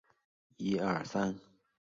黑端管蚜为常蚜科藤蚜属下的一个种。